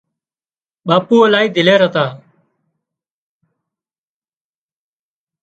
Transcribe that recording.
ٻاپو الاهي دلير هتا